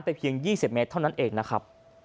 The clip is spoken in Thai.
เพียง๒๐เมตรเท่านั้นเองนะครับ